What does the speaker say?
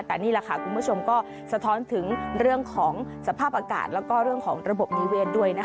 แต่นี่แหละค่ะคุณผู้ชมก็สะท้อนถึงเรื่องของสภาพอากาศแล้วก็เรื่องของระบบนิเวศด้วยนะคะ